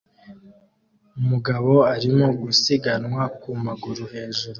Umugabo arimo gusiganwa ku maguru hejuru